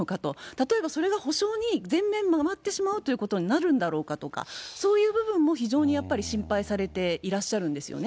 例えば、それが補償に全面回ってしまうということになるんだろうかとか、そういう部分も非常にやっぱり心配されていらっしゃるんですよね。